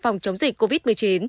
phòng chống dịch covid một mươi chín